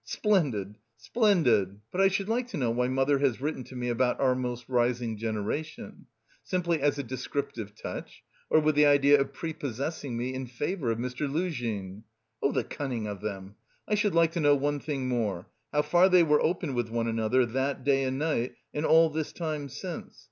Splendid! splendid! "... But I should like to know why mother has written to me about 'our most rising generation'? Simply as a descriptive touch, or with the idea of prepossessing me in favour of Mr. Luzhin? Oh, the cunning of them! I should like to know one thing more: how far they were open with one another that day and night and all this time since?